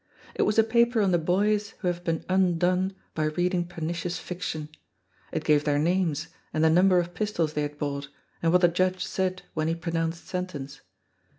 It was a paper on the boys who have been undone by reading pernicious fiction. It gave their names, and the number of pistols they had bought, and what the judge said when he pronounced sentence.